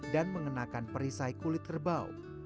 dan mengenakan perisai kulit kerbau